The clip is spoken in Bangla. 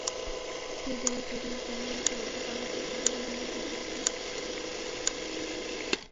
সেই দেয়াল পেরিয়ে যাঁরাই সীমান্ত পার হতেন, তাঁদেরই গুলি খেয়ে মরতে হতো।